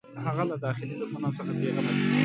هغه له داخلي دښمنانو څخه بېغمه شو.